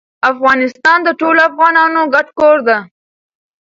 افغانستان د ټولو افغانانو ګډ کور ده.